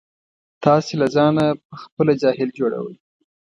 تاسې له ځانه په خپله جاهل جوړوئ.